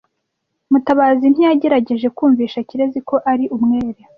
Mutabazi ntiyagerageje kumvisha Kirezi ko ari umwere.